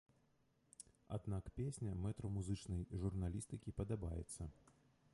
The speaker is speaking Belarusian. Аднак, песня мэтру музычнай журналістыкі падабаецца!